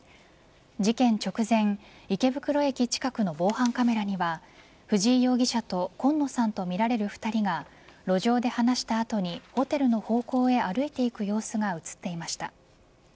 事件直前池袋駅近くの防犯カメラには藤井容疑者と今野さんとみられる２人が路上で話した後にホテルの方向へ歩いていく様子が映っていました。